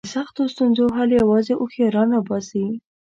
د سختو ستونزو حل یوازې هوښیاران را باسي.